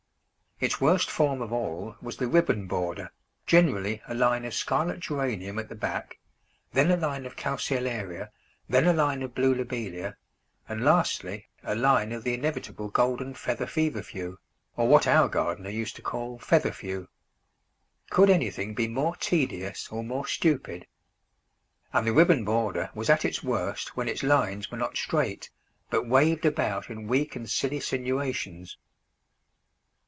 Its worst form of all was the "ribbon border," generally a line of scarlet Geranium at the back, then a line of Calceolaria, then a line of blue Lobelia, and lastly, a line of the inevitable Golden Feather Feverfew, or what our gardener used to call Featherfew. Could anything be more tedious or more stupid? And the ribbon border was at its worst when its lines were not straight, but waved about in weak and silly sinuations.